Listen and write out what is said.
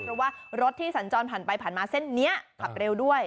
เพราะว่ารถที่สัญจรผ่านไปผ่านมาเส้นนี้ขับเร็วด้วย